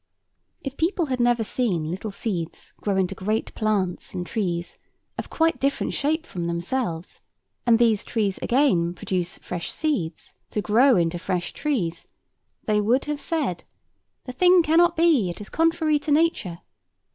If people had never seen little seeds grow into great plants and trees, of quite different shape from themselves, and these trees again produce fresh seeds, to grow into fresh trees, they would have said, "The thing cannot be; it is contrary to nature."